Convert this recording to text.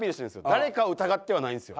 誰かを疑ってはないんですよ